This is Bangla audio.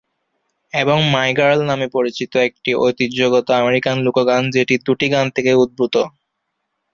এবং "মাই গার্ল" নামে পরিচিত, একটি ঐতিহ্যগত আমেরিকান লোক গান, যেটি দুটি গান থেকে উদ্ভূত।